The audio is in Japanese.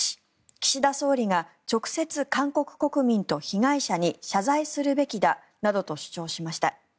岸田総理が直接、韓国国民と被害者に謝罪するべきだなどと主張しました。